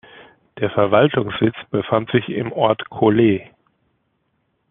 Der Verwaltungssitz befand sich im Ort Cholet.